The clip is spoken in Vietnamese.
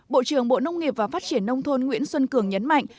bộ trưởng bộ nông nghiệp và phát triển nông thôn nguyễn xuân cường nhấn mạnh